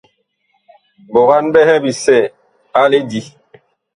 Ɓogan ɓɛhɛ bisɛ a lidí.